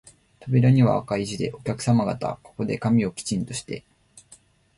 扉には赤い字で、お客さま方、ここで髪をきちんとして、